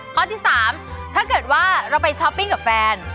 ข้อที่๓ถ้าเกิดว่าเราไปช้อปปิ้งกับแฟน